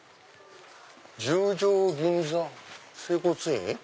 「十条銀座整骨院」？